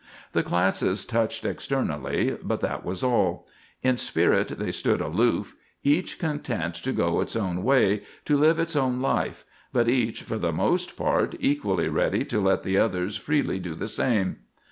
The classes touched externally, but that was all. In spirit they stood aloof—each content to go its own way, to live its own life, but each, for the most part, equally ready to let the others freely do the same.